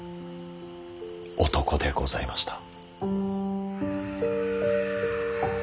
男でございました。